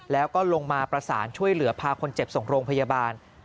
แล้วก็ลงมาประสานช่วยเหลือพาคนเจ็บส่งโรงพยาบาล